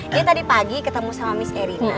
dia tadi pagi ketemu sama miss erina